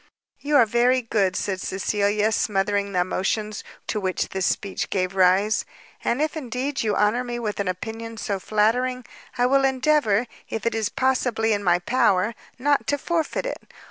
"You are very good," said Cecilia, smothering the emotions to which this speech gave rise, "and if indeed you honour me with an opinion so flattering, I will endeavour, if it is possibly in my power, not to forfeit it."